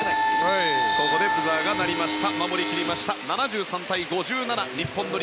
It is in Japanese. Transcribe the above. ここでブザーが鳴りました。